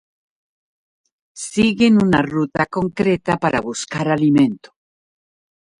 Siguen una ruta concreta para buscar alimento.